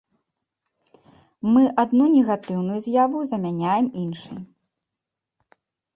Мы адну негатыўную з'яву замяняем іншай.